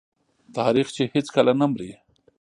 تاریخ چې هیڅکله نه مري.